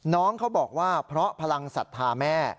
น้องเขาบอกว่าเพราะพลังศรัทธาแม่